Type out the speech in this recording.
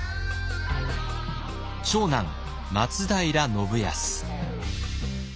長男松平信康。